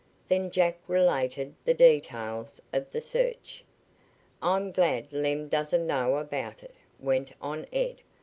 Then Jack related the details of the search. "I'm glad Lem doesn't know about it," went on Ed.